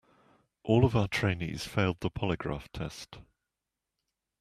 All of our trainees failed the polygraph test.